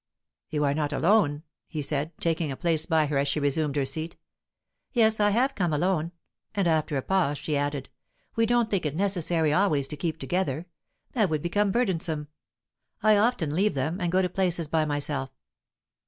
"You are not alone?" he said, taking a place by her as she resumed her seat. "Yes, I have come alone." And, after a pause, she added, "We don't think it necessary always to keep together. That would become burdensome. I often leave them, and go to places by myself."